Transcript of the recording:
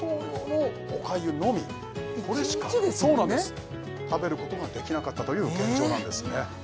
これしかそうなんです食べることができなかったという現状なんですね